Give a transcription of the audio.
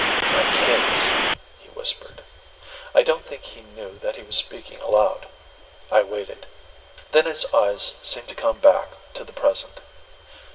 "My kids," he whispered. I don't think he knew that he was speaking aloud. I waited. Then his eyes seemed to come back to the present.